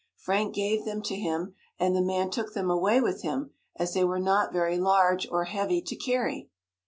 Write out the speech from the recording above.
Frank gave them to him, and the man took them away with him, as they were not very large, or heavy to carry."